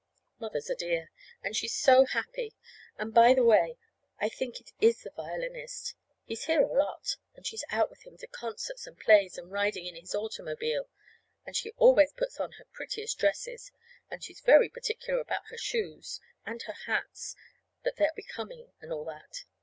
Mother's a dear. And she's so happy! And, by the way, I think it is the violinist. He's here a lot, and she's out with him to concerts and plays, and riding in his automobile. And she always puts on her prettiest dresses, and she's very particular about her shoes, and her hats, that they're becoming, and all that.